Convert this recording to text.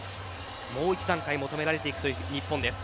もう一段階求められていく日本です。